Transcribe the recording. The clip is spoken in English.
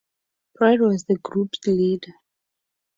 Byrd was the group's leader.